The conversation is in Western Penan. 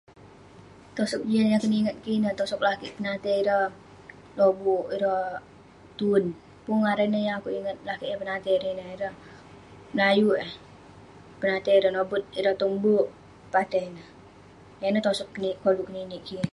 Tosoq jian yah keningat kik ineh tosok lakeik penatai ireh lobuk ireh tuen. Pun ngaran neh yeng akeuk ingat lakeik yang penatai ireh ineh, ireh Melayu eh, penatai ireh, noput ireh tong bek patai ineh. Yah ineh tosoq koluk keninik kik.